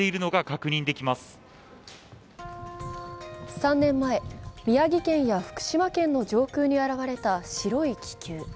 ３年前、宮城県や福島県の上空に現れた白い気球。